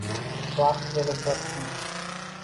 Vakt kelib bir kun.